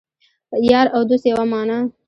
یار او دوست یوه معنی